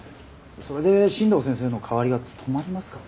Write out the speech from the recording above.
それで新道先生の代わりが務まりますかね？